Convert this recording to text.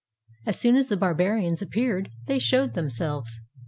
As soon as the Barbarians appeared, they showed themselves.